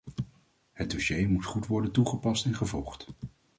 Het dossier moet goed worden toegepast en gevolgd.